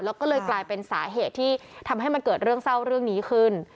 แล้วก็เลยกลายเป็นสาเหตุที่ทำให้มันเกิดเรื่องเศร้าเรื่องนี้ขึ้น